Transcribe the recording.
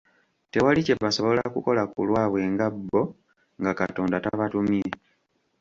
Tewali kye basobola kukola ku lwabwe nga bbo nga Katonda tabatumye